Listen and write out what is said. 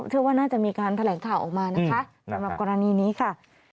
คือว่าน่าจะมีการแถลงข่าวออกมานะคะในกรณีนี้ค่ะ